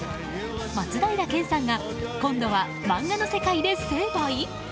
松平健さんが今度は漫画の世界で成敗？